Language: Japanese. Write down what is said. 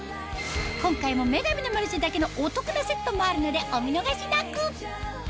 今回も『女神のマルシェ』だけのお得なセットもあるのでお見逃しなく！